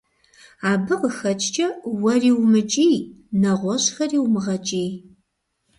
Абы къэхэкӀкӀэ уэри умыкӀий, нэгъуэщӀхэри умыгъэкӀий.